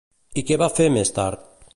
I què va fer més tard?